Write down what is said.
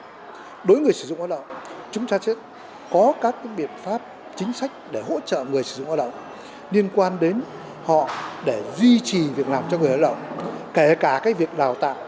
đối với người sử dụng lao động chúng ta sẽ có các biện pháp chính sách để hỗ trợ người sử dụng lao động liên quan đến họ để duy trì việc làm cho người lao động